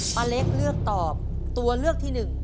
ป้าเล็กเลือกตอบตัวเลือกที่๑